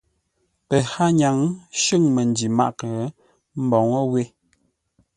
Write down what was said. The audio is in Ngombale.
Pəhányaŋ shʉ̂ŋ məndǐ mághʼə mboŋə́ wé.